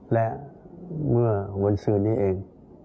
และเมื่อวันซื้อนี้เอง